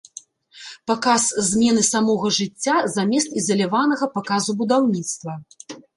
Паказ змены самога жыцця замест ізаляванага паказу будаўніцтва.